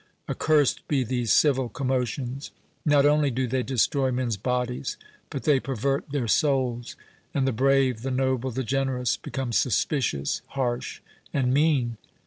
—Accursed be these civil commotions; not only do they destroy men's bodies, but they pervert their souls; and the brave, the noble, the generous, become suspicious, harsh, and mean!